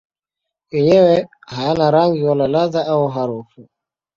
Yenyewe hayana rangi wala ladha au harufu.